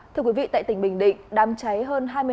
thưa quý vị tại tỉnh bình định đám cháy hơn hai mươi hai tàu cá